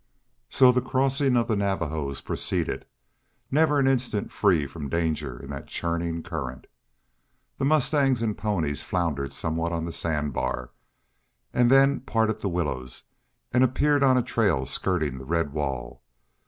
So the crossing of the Navajos proceeded, never an instant free from danger in that churning current. The mustangs and ponies floundered somewhat on the sand bar and then parted the willows and appeared on a trail skirting the red wall.